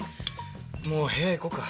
もう部屋行こうか。